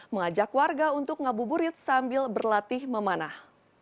mengajak warga untuk ngabuburit sambil berlatih memanah